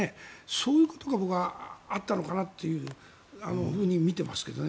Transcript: そういうことがあったのかなと見ていますけどね。